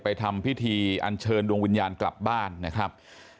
ทำพิธีอันเชิญดวงวิญญาณกลับบ้านนะครับ